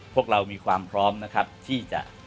พวกเรามีความพร้อมนะครับที่จะ